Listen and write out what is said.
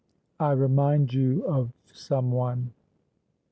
"I REMIND YOU OF SOMEONE?"